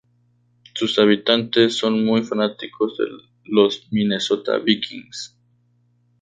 Sus habitantes son muy fanáticos de los Minnesota Vikings.